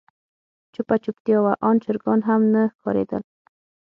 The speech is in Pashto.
چوپه چوپتيا وه آن چرګان هم نه ښکارېدل.